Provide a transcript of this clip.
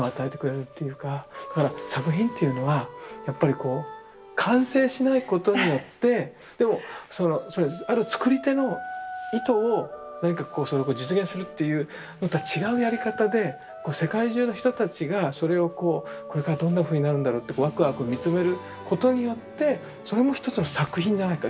だから作品っていうのはやっぱりこう完成しないことによってでもあるつくり手の意図を何かこうそれを実現するっていうまた違うやり方で世界中の人たちがそれをこうこれからどんなふうになるんだろうってワクワク見つめることによってそれも一つの作品じゃないか。